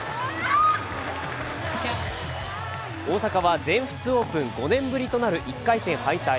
大坂は全仏オープン５年ぶりとなる１回戦敗退